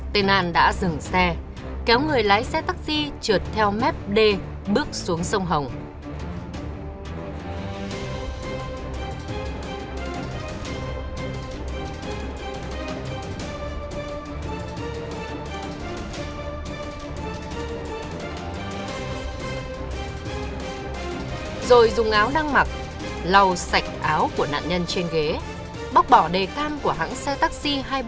tên nạn đã dừng xe kéo người lái xe taxi trượt theo mép d bước xuống sông hồng